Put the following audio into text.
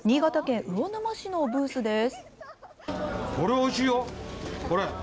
新潟県魚沼市のブースです。